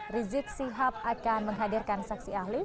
rizik sihab akan menghadirkan saksi ahli